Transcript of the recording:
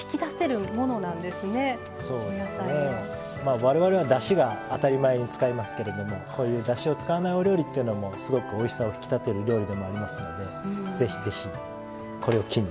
我々はだしが当たり前に使いますけれどもこういうだしを使わないお料理っていうのもすごくおいしさを引き立てる料理でもありますのでぜひぜひこれを機に。